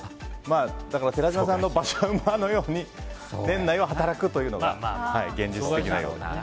寺島さんの馬車馬のように年内は働くというのが現実的なようです。